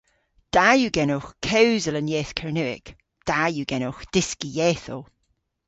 Da yw genowgh kewsel an yeth Kernewek. Da yw genowgh dyski yethow.